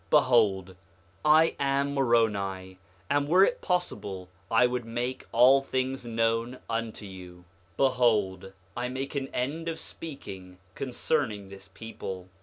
Behold, I am Moroni; and were it possible, I would make all things known unto you. 8:13 Behold, I make an end of speaking concerning this people.